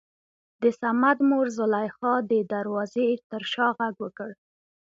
دصمد مور زليخا دې دروازې تر شا غږ وکړ.